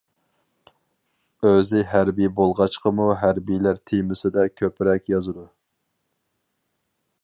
ئۆزى ھەربىي بولغاچقىمۇ ھەربىيلەر تېمىسىدا كۆپرەك يازىدۇ.